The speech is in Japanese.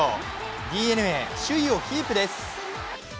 ＤｅＮＡ、首位をキープです。